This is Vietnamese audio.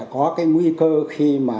có cái nguy cơ khi mà